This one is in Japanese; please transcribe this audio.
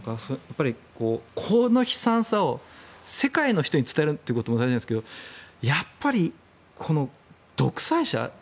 この悲惨さを世界の人に伝えることも大事なんですけどやはり独裁者。